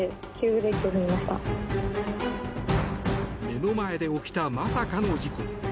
目の前で起きたまさかの事故。